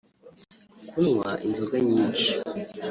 kunywa inzoga nyinshi